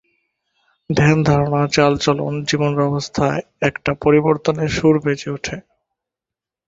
ধ্যান-ধারণা চাল-চলন জীবনব্যবস্থায় একটা পরিবর্তনের সুর বেজে ওঠে।